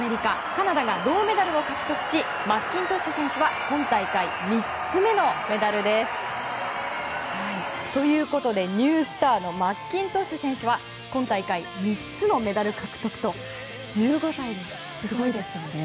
カナダが銅メダルを獲得しマッキントッシュ選手は今大会３つ目のメダルです。ということでニュースターのマッキントッシュ選手は今大会３つのメダル獲得と１５歳で、すごいですよね。